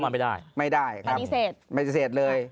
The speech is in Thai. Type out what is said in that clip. ปฏิเสธเลย